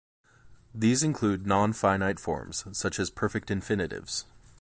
These include non-finite forms such as perfect infinitives.